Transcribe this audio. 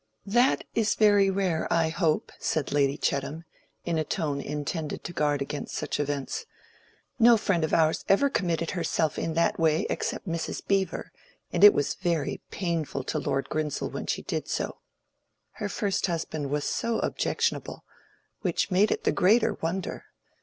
"That is very rare, I hope," said Lady Chettam, in a tone intended to guard against such events. "No friend of ours ever committed herself in that way except Mrs. Beevor, and it was very painful to Lord Grinsell when she did so. Her first husband was objectionable, which made it the greater wonder.